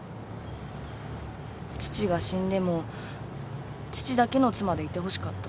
父が死んでも父だけの妻でいてほしかった。